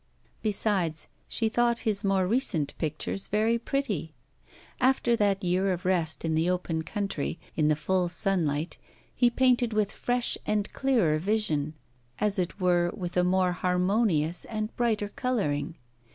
Besides, she thought his more recent pictures very pretty. After that year of rest in the open country, in the full sunlight, he painted with fresh and clearer vision, as it were, with a more harmonious and brighter colouring.